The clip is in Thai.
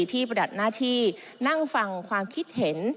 ประดับหน้าที่นั่งฟังความคิดเห็น